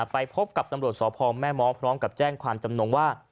ไปพบกับตำรวจสพแม่ม้อพร้อมกับแจ้งความจำนงว่า